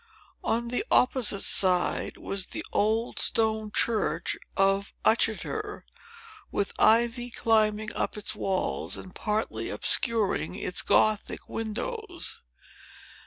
On the opposite side was the old stone church of Uttoxeter, with ivy climbing up its walls, and partly obscuring its Gothic windows.